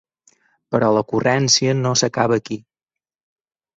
Però l’ocurrència no s’acaba aquí.